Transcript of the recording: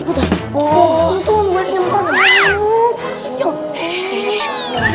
fogging tuh membuat nyemprot